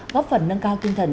góp phần nâng cao kinh thần